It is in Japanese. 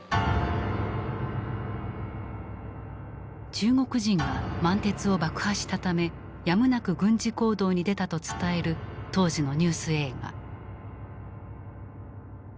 中国人が満鉄を爆破したためやむなく軍事行動に出たと伝える当時のニュース映画。